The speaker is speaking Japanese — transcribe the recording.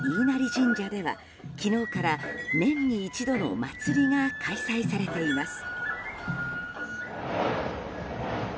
神社では昨日から年に一度の祭りが開催されています。